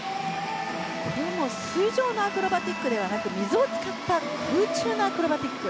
水上のアクロバティックではなく水を使った空中のアクロバティック。